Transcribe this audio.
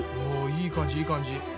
いい感じいい感じ。